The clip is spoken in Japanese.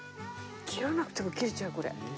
切らなくても切れちゃうこれ。